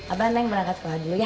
abang naik berangkat ke rumah dulu ya